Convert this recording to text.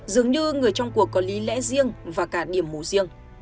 dường như người trong cuộc có lý lẽ riêng và cả điểm mù riêng